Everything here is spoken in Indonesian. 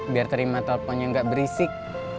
biar terima teleponnya gak berisik